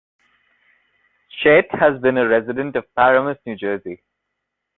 Chait has been a resident of Paramus, New Jersey.